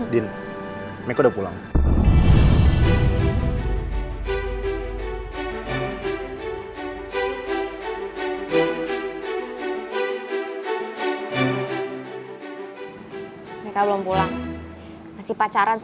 din meka udah pulang